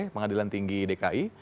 pengadilan tinggi dki